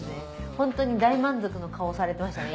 ホントに大満足の顔されてましたね